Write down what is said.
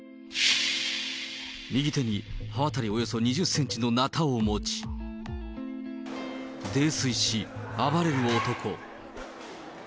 右手に刃渡りおよそ２０センチのなたを持ち、泥酔し、暴れる男。